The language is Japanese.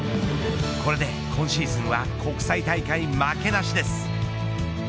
これで今シーズンは国際大会負けなしです。